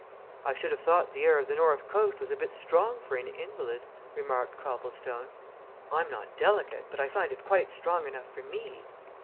"I should have thought the air of the north coast was a bit strong for an invalid," remarked Copplestone. "I'm not delicate, but I find it quite strong enough for me."